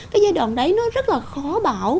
cái giai đoạn đấy nó rất là khó bảo